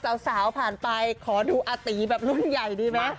สาวผ่านไปขอดูอาตีแบบรุ่นใหญ่ดีไหม